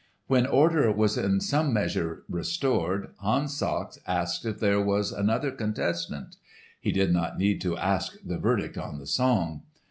When order was in some measure restored Hans Sachs asked if there was another contestant. (He did not need to ask the verdict on the song.)